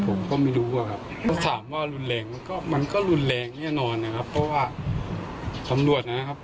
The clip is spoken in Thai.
ผมก็ไม่รู้อะครับเพราะถามว่ารุนแรงไหมก็มันก็รุนแรงแน่นอนนะครับเพราะว่าสำรวจนะครับ